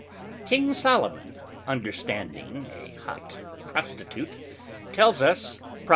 King Solomon (understanding a hot Prostitute) tells us, _Prov.